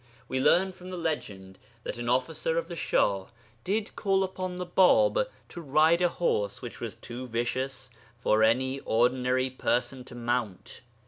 We learn from the legend that an officer of the Shah did call upon the Bāb to ride a horse which was too vicious for any ordinary person to mount.